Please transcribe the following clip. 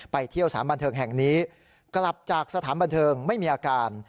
ไปเที่ยวสถานบันเทิงแห่งนี้กลับจากสถานบันเทิงไม่มีอาการ